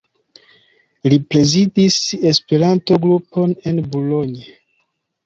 Li prezidis Esperanto-grupon en Boulogne.